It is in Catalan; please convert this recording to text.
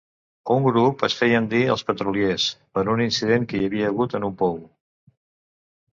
Un grup es feien dir els "petroliers" per un incident que hi havia hagut en un pou.